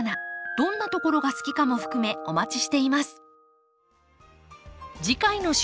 どんなところが好きかも含めお待ちしています。